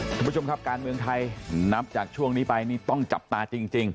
คุณผู้ชมครับการเมืองไทยนับจากช่วงนี้ไปนี่ต้องจับตาจริง